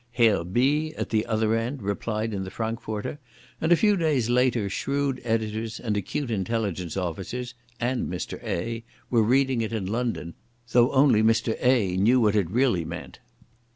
Herr B at the other end replied in the Frankfurter, and a few days later shrewd editors and acute Intelligence officers—and Mr A—were reading it in London, though only Mr A knew what it really meant.